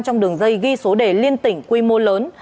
trong đường dây ghi số đề liên tỉnh quy mô lớn